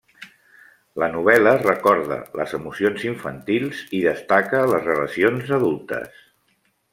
La novel·la recorda les emocions infantils i destaca les relacions adultes.